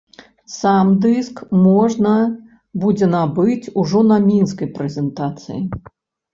Сам дыск можна будзе набыць ужо на мінскай прэзентацыі.